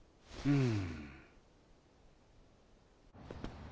うん。